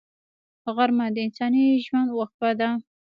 غرمه د انساني ژوند وقفه ده